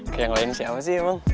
oke yang lain siapa sih emang